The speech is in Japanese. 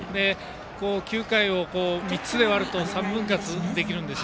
９回を３つで割ると３分割できるんです。